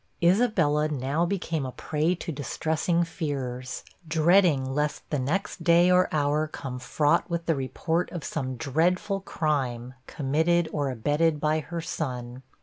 Isabella now became a prey to distressing fears, dreading lest the next day or hour come fraught with the report of some dreadful crime, committed or abetted by her son.